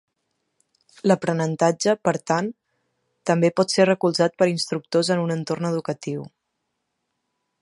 L'aprenentatge, per tant, també pot ser recolzat per instructors en un entorn educatiu.